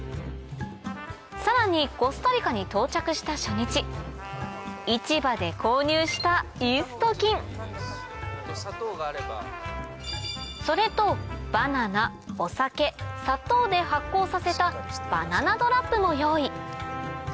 さらにコスタリカに到着した初日市場で購入したイースト菌それとバナナお酒砂糖で発酵させたバナナトラップも用意